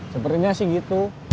sepertinya sih gitu